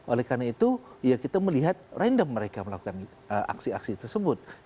oleh karena itu ya kita melihat random mereka melakukan aksi aksi tersebut